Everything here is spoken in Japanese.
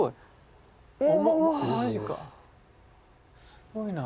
すごいな。